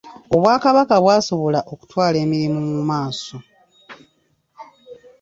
Obwakabaka bwasobola okutwala emirimu mu maaso